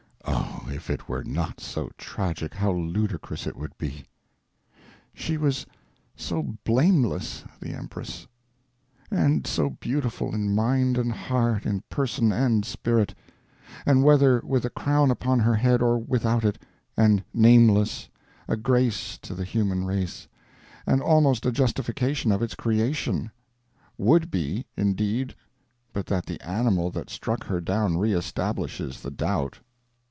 Oh, if it were not so tragic how ludicrous it would be! She was so blameless, the Empress; and so beautiful, in mind and heart, in person and spirit; and whether with a crown upon her head or without it and nameless, a grace to the human race, and almost a justification of its creation; _would _be, indeed, but that the animal that struck her down re establishes the doubt.